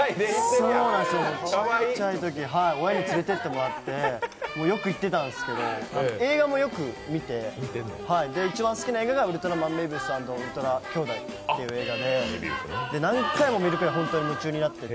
ちっちゃいとき親に連れてってもらってよく行ってたんですけど映画もよく見て一番好きな映画が「ウルトラマンメビウス＆ウルトラ兄弟」という映画で何回も見るくらい夢中になってる。